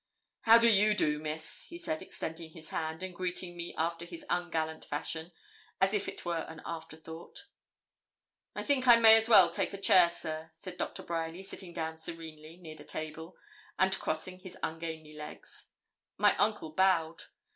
'How do you do, Miss?' he said, extending his hand, and greeting me after his ungallant fashion, as if it were an afterthought. 'I think I may as well take a chair, sir,' said Doctor Bryerly, sitting down serenely, near the table, and crossing his ungainly legs. My uncle bowed.